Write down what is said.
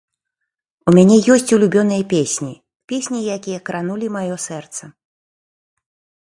У мяне ёсць улюбёныя песні, песні, якія кранулі маё сэрца.